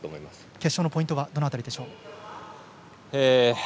決勝のポイントはどの辺りでしょう？